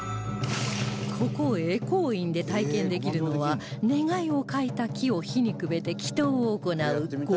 ここ恵光院で体験できるのは願いを書いた木を火にくべて祈祷を行う護摩行